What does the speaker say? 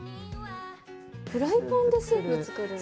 フライパンでスープ作るんだ！